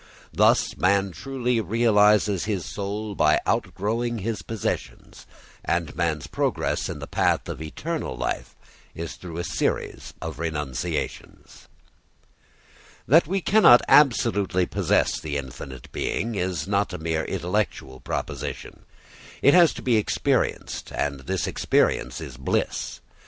Thus man truly realises his soul by outgrowing his possessions, and man's progress in the path of eternal life is through a series of renunciations. That we cannot absolutely possess the infinite being is not a mere intellectual proposition. It has to be experienced, and this experience is bliss.